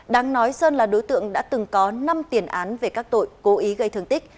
đáng nói sơn là đối tượng đã từng có năm tiền án về các tội cố ý gây thương tích